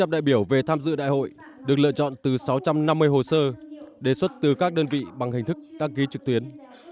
một trăm linh đại biểu về tham dự đại hội được lựa chọn từ sáu trăm năm mươi hồ sơ đề xuất từ các đơn vị bằng hình thức đăng ký trực tuyến